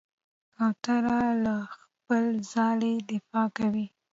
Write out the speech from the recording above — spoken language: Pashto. کوتره له خپل ځاله دفاع کوي.